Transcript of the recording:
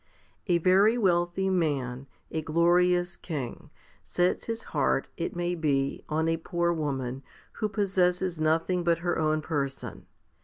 1. A VERY wealthy man, a glorious king, sets his heart, it may be, on a poor woman, who possesses nothing but her own person.